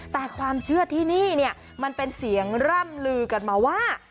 แต่ความเชื่อที่นี่เนี่ยมันเป็นเสียงร่ำลือกันมาว่า